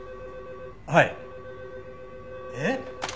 はい。えっ？